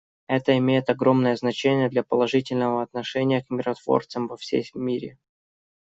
Это имеет огромное значение для положительного отношения к миротворцам во всем мире.